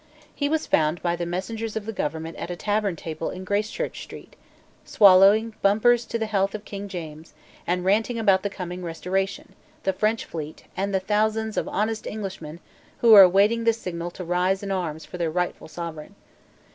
He was found by the messengers of the government at a tavern table in Gracechurch Street, swallowing bumpers to the health of King James, and ranting about the coming restoration, the French fleet, and the thousands of honest Englishmen who were awaiting the signal to rise in arms for their rightful Sovereign.